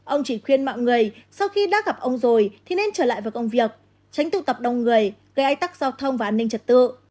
ông chỉ khuyên mọi người sau khi đã gặp ông rồi thì nên trở lại vào công việc tránh tụ tập đông người gây ách tắc giao thông và an ninh trật tự